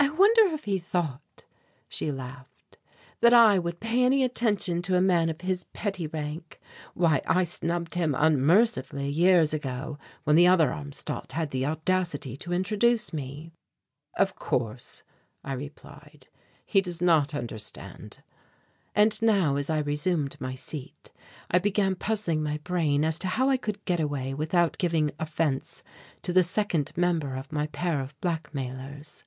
"I wonder if he thought," she laughed, "that I would pay any attention to a man of his petty rank. Why, I snubbed him unmercifully years ago when the other Armstadt had the audacity to introduce me." "Of course," I replied, "he does not understand." And now, as I resumed my seat, I began puzzling my brain as to how I could get away without giving offence to the second member of my pair of blackmailers.